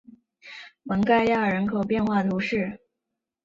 蒙盖亚尔人口变化图示